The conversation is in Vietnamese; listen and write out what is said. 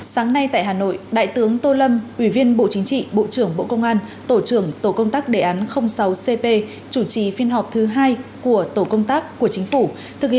sáng nay tại hà nội đại tướng tô lâm ủy viên bộ chính trị bộ trưởng bộ công an tổ trưởng tổ công tác đề án sáu cp chủ trì phiên họp thứ hai của tổ công tác của chính phủ